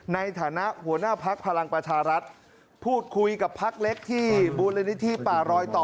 ในฐานะหัวหน้าพักพลังประชารัฐพูดคุยกับพักเล็กที่มูลนิธิป่ารอยต่อ